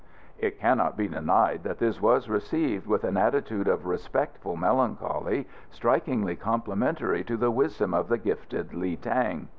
It cannot be denied that this was received with an attitude of respectful melancholy strikingly complimentary to the wisdom of the gifted Li Tang.